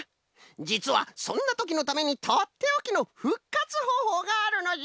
じつはそんなときのためにとっておきのふっかつほうほうがあるのじゃ！